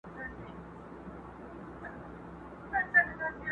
پروني ملا ویله چي کفار پکښي غرقیږي؛